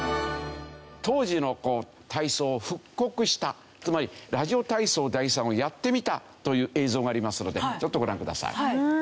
当時の体操を復刻したつまりラジオ体操第３をやってみたという映像がありますのでちょっとご覧ください。